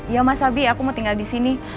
iya mas abi aku mau tinggal di sini